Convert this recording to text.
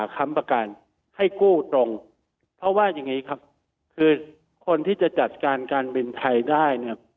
คือคนที่จะจัดการการบินไทยได้เนี่ย